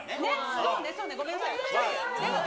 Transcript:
そうね、そうね、ごめんなさい。